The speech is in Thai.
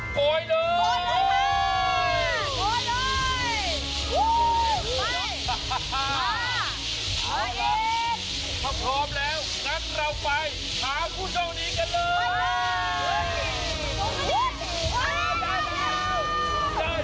ถ้าพร้อมแล้วงั้นเราไปถามผู้โชคดีกันเลย